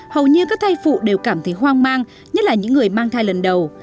hầu như các thai phụ đều cảm thấy hoang mang nhất là những người mang thai lần đầu